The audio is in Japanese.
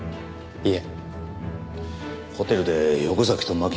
いえ。